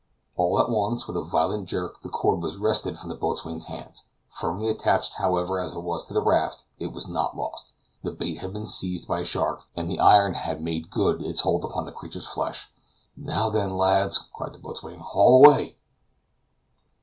All at once, with a violent jerk, the cord was wrested from the boatswain's hands; firmly attached, however, as it was to the raft, it was not lost. The bait had been seized by a shark, and the iron had made good its hold upon the creature's flesh. "Now, then, my lads," cried the boatswain, "haul away!"